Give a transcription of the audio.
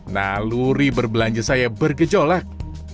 lalu ri berbelanja saya bergejolak